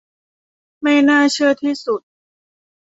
ไม่น่าเชื่อที่สุด